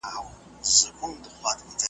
که می غوږ پر نغمه کښېږدې ټوله ژوند پسرلی کېږی .